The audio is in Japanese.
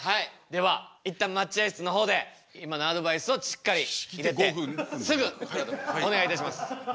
では一旦待合室の方で今のアドバイスをしっかり入れてすぐお願いいたします。